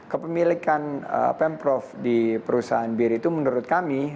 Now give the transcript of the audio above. kepemilikan pemprov di perusahaan bir itu menurut kami